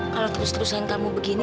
kalau terus terusan kamu begini